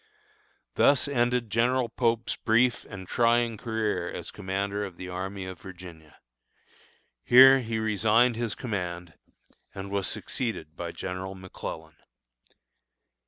Thus ended General Pope's brief and trying career as commander of the Army of Virginia. Here he resigned his command, and was succeeded by General McClellan.